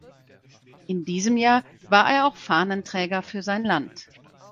In diesem Jahr war er auch Fahnenträger für sein Land.